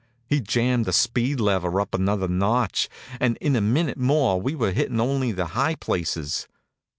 He jammed the speed lever up another notch, and in a minute more we were hittin' only the high places.